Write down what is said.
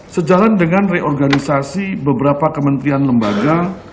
sejalan dengan reorganisasi beberapa kementerian lembaga